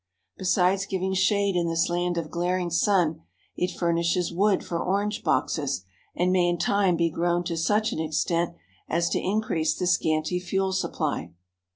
Besides giving shade in this land of glaring sun, it fur nishes wood for orange boxes and may in time be grown to such an extent as to increase the scanty fuel supply.